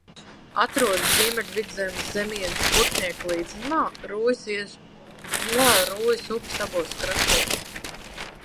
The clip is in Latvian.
Atrodas Ziemeļvidzemes zemienes Burtnieka līdzenumā, Rūjas upes abos krastos.